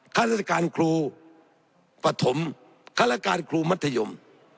คัตรศักดิ์การครูปฐมคัตรศักดิ์การครูมัธยม